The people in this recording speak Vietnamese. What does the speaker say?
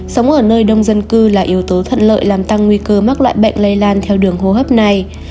sống ở nơi đông dân cư là yếu tố thuận lợi làm tăng nguy cơ mắc loại bệnh lây lan theo đường hô hấp này